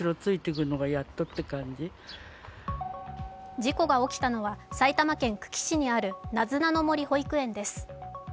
事故が起きたのは埼玉県久喜市にあるなずなの森保育園です。